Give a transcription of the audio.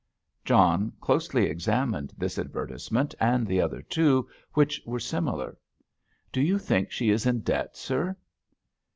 John closely examined this advertisement, and the other two, which were similar. "Do you think she is in debt, sir?"